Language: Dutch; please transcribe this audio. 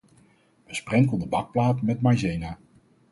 Besprenkel de bakplaat met maïzena.